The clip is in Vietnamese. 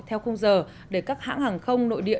theo khung giờ để các hãng hàng không nội địa